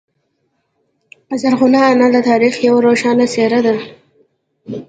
زرغونه انا د تاریخ یوه روښانه څیره ده.